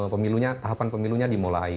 sebelum tahapan pemilunya dimulai